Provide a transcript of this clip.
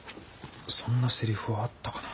そんなセリフあったかな。